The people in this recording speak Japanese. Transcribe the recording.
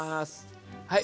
はい。